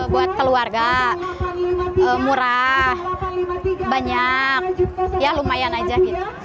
buat keluarga murah banyak ya lumayan aja gitu